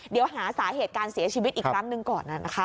เดี๋ยวหาสาเหตุการเสียชีวิตอีกครั้งหนึ่งก่อนนะคะ